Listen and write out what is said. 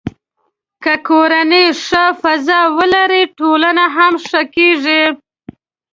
که کورنۍ ښه فضا ولري، ټولنه هم ښه کېږي.